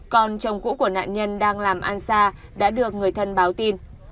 còn chồng cũ của nạn nhân đang làm ăn xa đã được người thân báo tin